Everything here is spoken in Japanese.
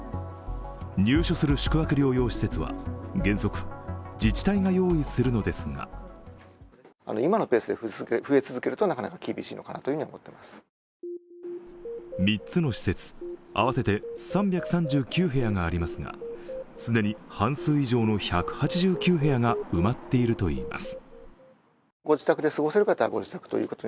入所する宿泊療養施設は原則、自治体が用意するのですが３つの施設、合わせて３３９部屋がありますが既に半数以上の１８９部屋が埋まっているといいます。